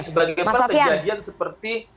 sebenarnya terjadinya seperti